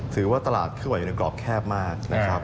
ถือว่าตลาดทั่วอยู่ในกรอบแคบมากนะครับ